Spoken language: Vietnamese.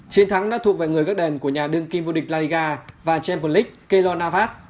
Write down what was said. chiến thắng đã thuộc về người gác đền của nhà đương kim vô địch la liga và champions league keylor navas